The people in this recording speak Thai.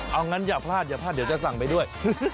เอางั้นอย่าพลาดอย่าพลาดเดี๋ยวจะสั่งไปด้วย